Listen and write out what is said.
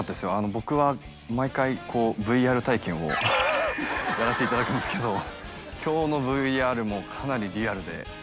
僕は毎回ＶＲ体験をやらせていただくんですけど今日のＶＲもかなりリアルで。